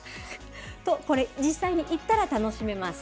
これ、実際に行ったら楽しめます。